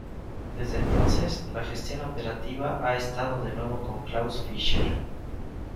Desde entonces, la gestión operativa ha estado de nuevo con Klaus Fischer.